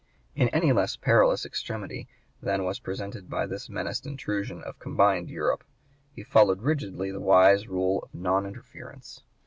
In any less perilous extremity than was presented by this menaced intrusion of combined Europe he followed rigidly the wise rule of non interference.